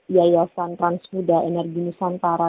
yayasan transfuda energi nusantara